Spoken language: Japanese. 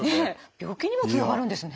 病気にもつながるんですね。